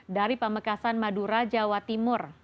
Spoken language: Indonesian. dari pamekasan madura jawa timur